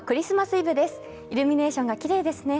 イルミネーションがきれいですね。